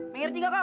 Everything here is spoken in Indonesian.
mengerti nggak kau